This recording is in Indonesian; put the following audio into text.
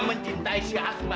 dia mencintai si asma